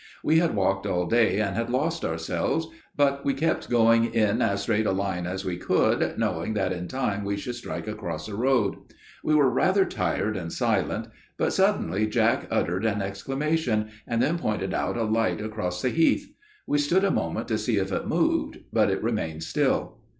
We had walked all day and had lost ourselves; but we kept going in as straight a line as we could, knowing that in time we should strike across a road. We were rather tired and silent; but suddenly Jack uttered an exclamation, and then pointed out a light across the heath. We stood a moment to see if it moved, but it remained still.